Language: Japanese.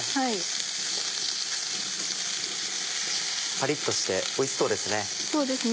パリっとしておいしそうですね。